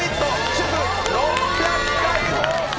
祝６００回放送。